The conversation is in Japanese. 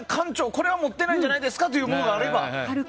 これは持ってないんじゃないですかというものがあれば。